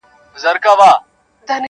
حق لرمه والوزم اسمان ته الوته لرم,